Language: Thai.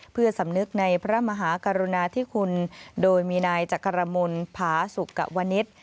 เพื่อสำนึกในพระมหากรุณาธิคุณโดยมีนายจักรมลผาสุกวนิษฐ์